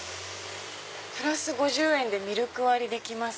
「＋５０円でミルク割りできます」。